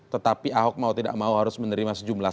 tetapi ahok mau tidak mau harus menerima sejumlah